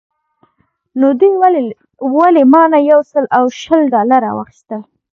نو دوی ولې مانه یو سل او شل ډالره واخیستل.